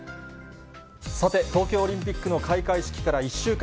東京オリンピックの開会式から１週間。